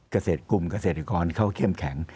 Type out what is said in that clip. เกษตรกลุ่มเกษตรกรเขาเข้มแข็ง